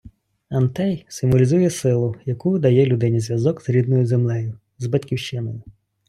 Антей - символізує силу, яку дає людині зв'язок з рідною землею, з батьківщиною